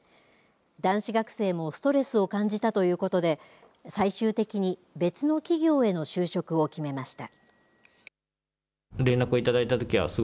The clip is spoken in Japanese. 男子学生もストレスを感じたということで最終的に別の企業への就職を決めました。